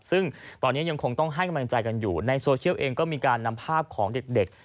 ซึ่งตอนนี้ยังคงต้องให้กำลังใจกันอยู่ในโซเชียลเองก็มีการนำภาพของเด็ก